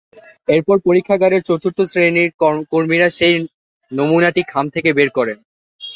এরপর পরীক্ষাগারের চতুর্থ শ্রেণির কর্মীরা সেই নমুনাটি খাম থেকে বের করেন।